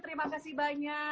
terima kasih banyak